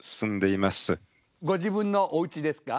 ご自分のおうちですか？